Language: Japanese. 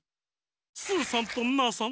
スーさんとナーさん